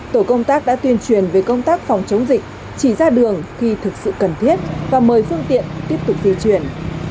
tổ công tác đã tuyên truyền về công tác phòng chống dịch chỉ ra đường khi thực sự cần thiết và mời phương tiện tiếp tục di chuyển